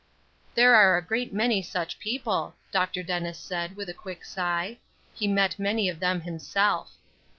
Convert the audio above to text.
"There are a great many such people," Dr. Dennis said, with a quick sigh. He met many of them himself.